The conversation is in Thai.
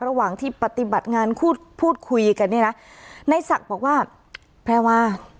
ระหว่างที่ปฏิบัติงานพูดพูดคุยกันเนี่ยนะในศักดิ์บอกว่าแพรวา